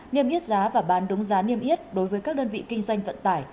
niêm yết giá và bán đúng giá niêm yết đối với các đơn vị kinh doanh vận tải